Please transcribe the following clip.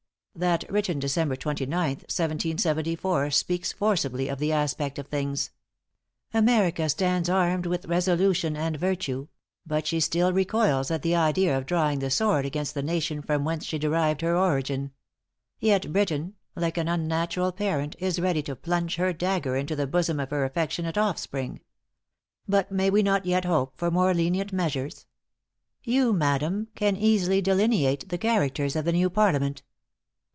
That written December 29th, 1774, speaks forcibly of the aspect of things: "America stands armed with resolution and virtue; but she still recoils at the idea of drawing the sword against the nation from whence she derived her origin. Yet Britain, like an unnatural parent, is ready to plunge her dagger into the bosom of her affectionate offspring. But may we not yet hope for more lenient measures! You, madam, can easily delineate the characters of the new Parliament."